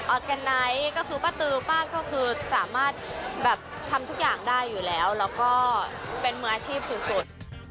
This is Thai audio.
แกนไนท์ก็คือป้าตือป้าก็คือสามารถแบบทำทุกอย่างได้อยู่แล้วแล้วก็เป็นมืออาชีพสุด